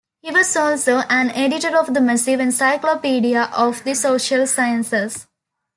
He was also an editor of the massive "Encyclopaedia of the Social Sciences".